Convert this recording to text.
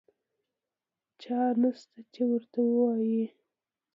چا نشته چې ورته ووایي.